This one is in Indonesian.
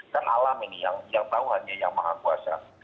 dan alam ini yang tahu hanya yang maha kuasa